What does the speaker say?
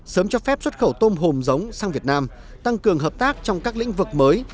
sớm cho phép xuất khẩu tôm hồm giống sang việt nam tăng cường hợp tác trong các lĩnh vực mới